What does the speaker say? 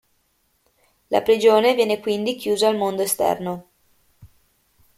La prigione viene quindi chiusa al mondo esterno.